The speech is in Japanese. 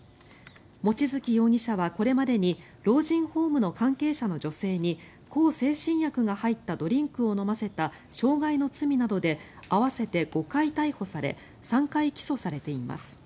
望月容疑者はこれまでに老人ホームの関係者の女性に向精神薬が入ったドリンクを飲ませた傷害の罪などで合わせて５回逮捕され３回起訴されています。